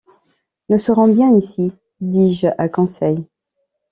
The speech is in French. Nous serons bien ici, dis-je à Conseil.